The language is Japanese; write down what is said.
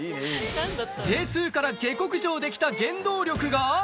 Ｊ２から下克上できた原動力が。